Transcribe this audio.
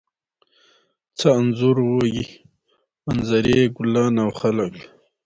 څه انځوروئ؟ منظرې، ګلان او خلک